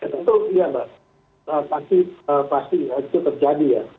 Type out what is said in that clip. tentu iya mbak pasti itu terjadi ya